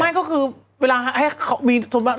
ไม่ก็คือเวลาให้เขามีสมบัติ